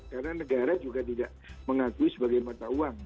karena negara juga tidak mengakui sebagai mata uang